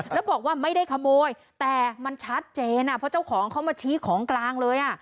แล้วบอกว่าไม่ได้ขโมยแต่มันชัดเจนเพราะเจ้าของเขามาชี้ของกลางเลย